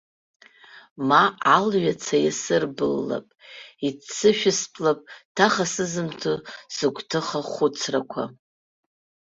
Ма алҩа ца иасырбыллап, иццышәыстәлап ҭаха сызымҭо сыгәҭыха-хәыцрақәа.